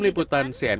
tim liputan cnn